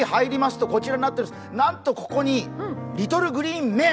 なんとこちらにリトル・グリーン・マン！